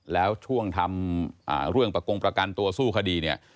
แล้วช่วงทำเรื่องประกงประกันตัวสู้คดีเนี่ย